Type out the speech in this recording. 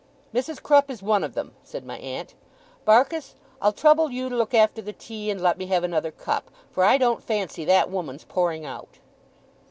'Mrs. Crupp is one of them,' said my aunt. 'Barkis, I'll trouble you to look after the tea, and let me have another cup, for I don't fancy that woman's pouring out!